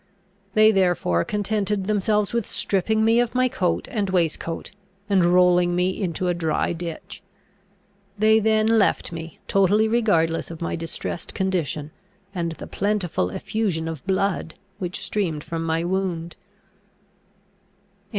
They therefore contented themselves with stripping me of my coat and waistcoat, and rolling me into a dry ditch. They then left me totally regardless of my distressed condition, and the plentiful effusion of blood, which streamed from my wound.